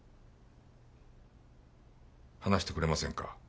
話してくれませんか？